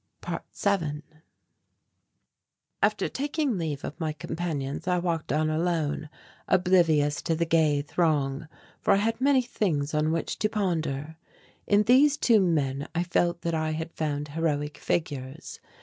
~7~ After taking leave of my companions I walked on alone, oblivious to the gay throng, for I had many things on which to ponder. In these two men I felt that I had found heroic figures.